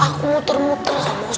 aku muter muter sama ustaz musa